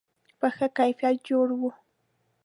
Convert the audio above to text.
په ښه کیفیت جوړ و.